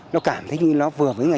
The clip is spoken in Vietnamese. nó cảm thấy như nó vừa với